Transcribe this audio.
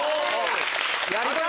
やりたい！